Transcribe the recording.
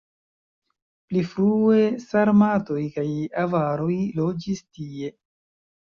Pli frue sarmatoj kaj avaroj loĝis tie.